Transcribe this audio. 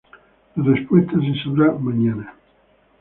La respuesta se sabrá mañana.